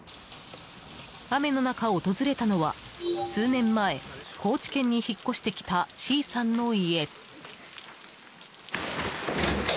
雨の中、訪れたのは数年前、高知県に引っ越してきたＣさんの家。